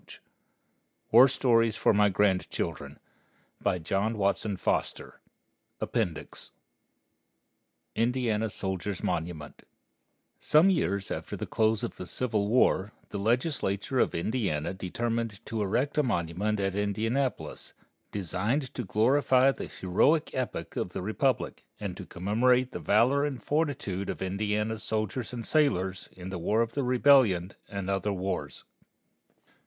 THE END [Illustration: Copyright by Bass and Woodworth, Indianapolis SOLDIERS' MONUMENT, INDIANAPOLIS] APPENDIX INDIANA SOLDIERS' MONUMENT Some years after the close of the Civil War the Legislature of Indiana determined to erect a monument at Indianapolis, "designed to glorify the heroic epoch of the Republic and to commemorate the valor and fortitude of Indiana's Soldiers and Sailors in the War of the Rebellion and other wars."